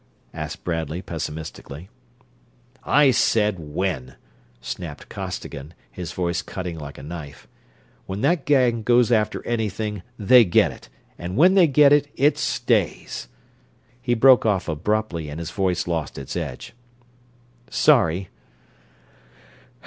asked Bradley, pessimistically. "I said when!" snapped Costigan, his voice cutting like a knife. "When that gang goes after anything they get it, and when they get it it stays...." He broke off abruptly and his voice lost its edge. "Sorry.